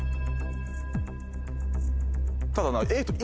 ただな。